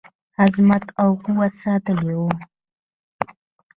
عظمت او قوت ساتلی وو.